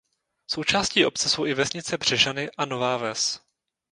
Součástí obce jsou i vesnice Břežany a Nová Ves.